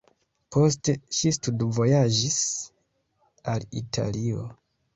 Poste ŝi studvojaĝis al Italio.